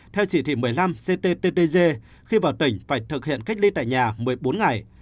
theo chỉ thị một mươi năm cttg khi vào tỉnh phải thực hiện cách ly tại nhà một mươi bốn ngày